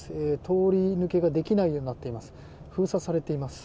通り抜けができないようになっています。